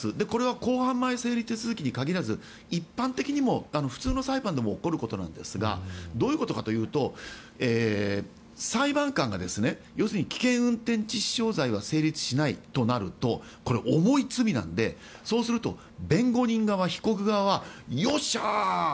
これは公判前整理手続きに限らず一般的にも普通の裁判でも起こることなんですがどういうことかというと裁判官が要するに危険運転致死傷罪が成立しないとなるとこれは重い罪なのでそうすると弁護人側、被告人側はよっしゃ！